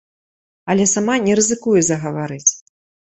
Але сама не рызыкуе загаварыць.